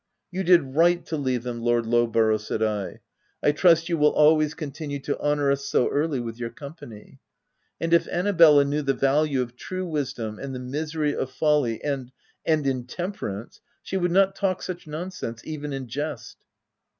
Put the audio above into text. l 2 220 THE TENANT "You did right to leave them, Lord Low borough," said I. " I trust you will always continue to honour us so early with your com pany. And if Annabella knew the value of true wisdom, and the misery of folly and — and intemperance, she would not talk such nonsense — even in jest."